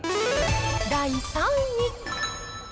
第３位。